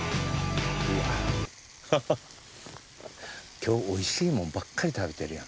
今日おいしいもんばっかり食べてるやん。